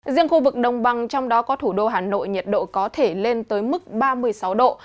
riêng khu vực đông băng trong đó có thủ đô hà nội nhiệt độ có thể lên tới mức ba mươi sáu độ